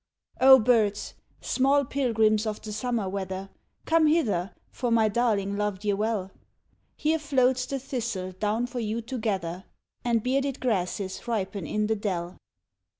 Oh birds! small pilgrims of the summer weather, Come hither, for my darling loved ye well; Here floats the thistle down for you to gather, And bearded grasses ripen in the dell.